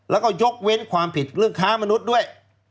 แล้วก็ยกเว้นความผิดเรื่องค้ามนุษย์ด้วย